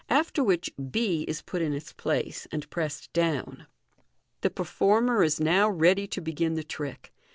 after which b is put in its place, and pressed down. The performer is now ready to begin the trick.